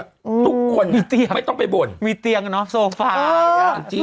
อืมทุกคนมีเตียงไม่ต้องไปบ่นมีเตียงเนอะโซฟาเออ